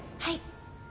はい。